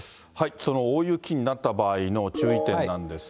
その大雪になった場合の注意点なんですが。